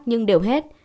nhưng đều hết